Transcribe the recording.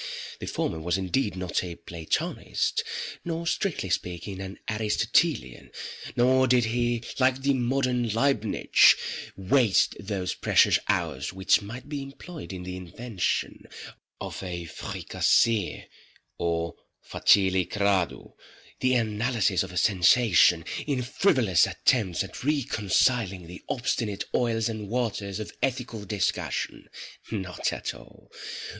The former was indeed not a Platonist, nor strictly speaking an Aristotelian—nor did he, like the modern Leibnitz, waste those precious hours which might be employed in the invention of a fricasée or, facili gradú, the analysis of a sensation, in frivolous attempts at reconciling the obstinate oils and waters of ethical discussion. Not at all.